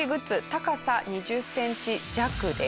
高さ２０センチ弱です。